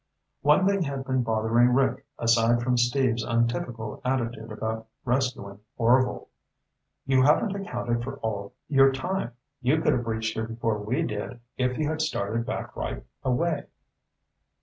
One thing had been bothering Rick, aside from Steve's untypical attitude about rescuing Orvil. "You haven't accounted for all your time. You could have reached here before we did if you had started back right away."